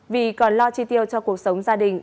vì còn lo chi tiêu cho cuộc sống gia đình